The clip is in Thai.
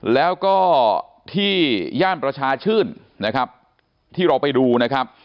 แล้วก็ที่ย่านประชาชื่นนะครับที่เราไปดูนะครับ